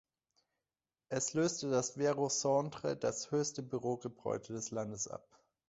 Es löste das Vero Centre als höchstes Bürogebäude des Landes ab.